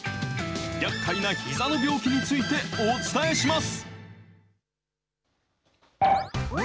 やっかいなひざの病気についてお伝えします。